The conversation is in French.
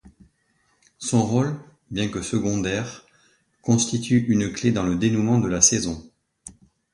Son rôle, bien que secondaire, constitue une clé dans le dénouement de la saison.